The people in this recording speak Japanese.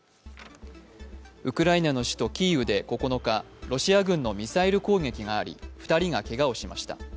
ウクライナの首都キーウで９日、ロシア軍のミサイル攻撃があり２人がけがをしました。